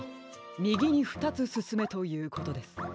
みぎにふたつすすめということです。